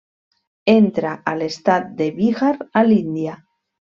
Entra a l'estat de Bihar a l'Índia.